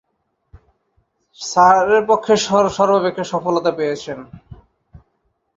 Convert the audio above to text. সারের পক্ষে সর্বাপেক্ষা সফলতা পেয়েছেন।